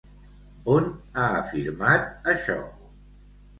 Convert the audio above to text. On ha afirmat això?